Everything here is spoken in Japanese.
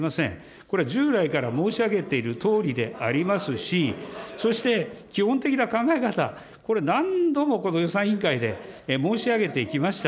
これ、従来から申し上げているとおりでありますし、そして基本的な考え方、これ、何度もこの予算委員会で申し上げてきました。